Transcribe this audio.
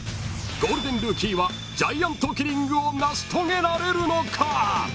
［ゴールデンルーキーはジャイアントキリングを成し遂げられるのか］